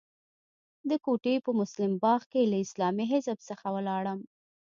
د کوټې په مسلم باغ کې له اسلامي حزب څخه ولاړم.